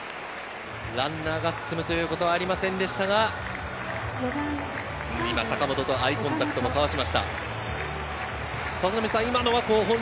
ランナーが進むということはありませんでしたが、坂本とアイコンタクトも交わしました。